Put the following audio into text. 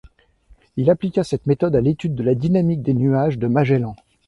Il appliqua cette méthode à l’étude de la dynamique des Nuages de Magellan.